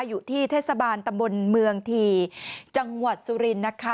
อยู่ที่เทศบาลตำบลเมืองทีจังหวัดสุรินทร์นะคะ